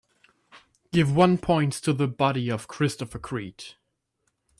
Give one points to The Body of Christopher Creed